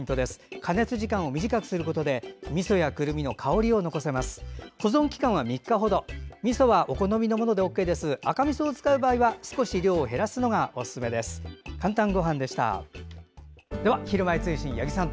加熱時間を短くすることでみそとくるみの香りを残すことができます。